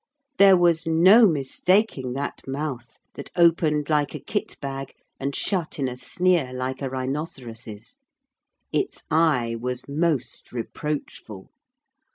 There was no mistaking that mouth that opened like a kit bag, and shut in a sneer like a rhinoceros's. Its eye was most reproachful.